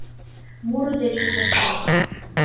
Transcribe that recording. Муро дечын посна.